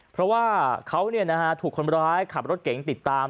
เพราะว่าเขาเนี่ยนะฮะถูกคนร้ายขับรถเก๋งติดตาม